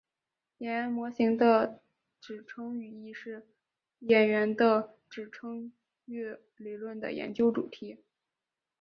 演员模型的指称语义是演员的指称域理论的研究主题。